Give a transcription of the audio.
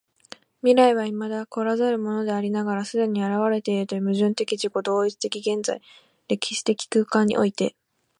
未来は未だ来らざるものでありながら既に現れているという矛盾的自己同一的現在（歴史的空間）において、